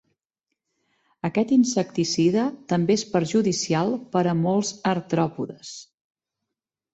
Aquest insecticida també és perjudicial per a molts artròpodes.